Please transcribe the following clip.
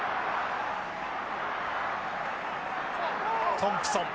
トンプソン。